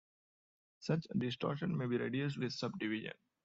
Such distortion may be reduced with subdivision.